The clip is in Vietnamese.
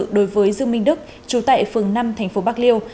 của nguyễn đông cường chú tệ phường năm thành phố bạc liêu